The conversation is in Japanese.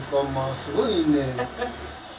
すごいね。